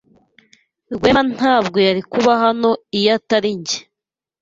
Rwema ntabwo yari kuba hano iyo atari njye.